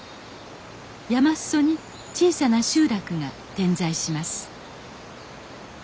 山裾に小さな集落が点在します。